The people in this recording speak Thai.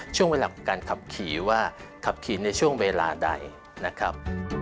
ช่วงเวลาของการขับขี่ว่าขับขี่ในช่วงเวลาใดนะครับ